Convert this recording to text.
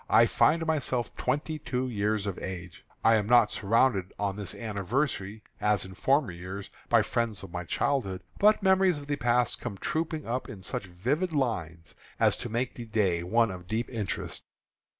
I find myself twenty two years of age. I am not surrounded on this anniversary, as in former years, by the friends of my childhood. But memories of the past come trooping up in such vivid lines, as to make the day one of deep interest.